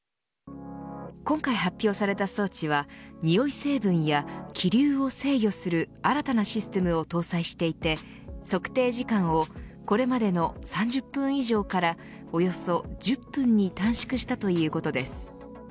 今回発表された装置は匂い成分や気流を制御する新たなシステムを搭載していて測定時間をこれまでの３０分以上からおよそ１０分に短縮したということです。